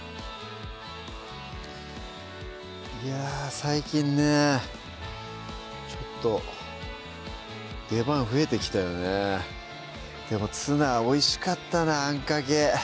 いや最近ねちょっと出番増えてきたよねでもツナおいしかったなあんかけ